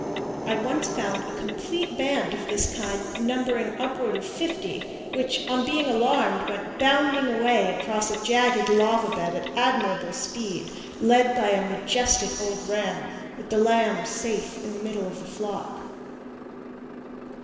I once found a complete band of this kind numbering upward of fifty, which, on being alarmed, went bounding away across a jagged lava bed at admirable speed, led by a majestic old ram, with the lambs safe in the middle of the flock.